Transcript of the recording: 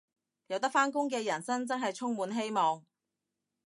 有得返工嘅人生真係充滿希望